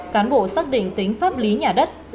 cán bộ xác định tính pháp lý nhà đất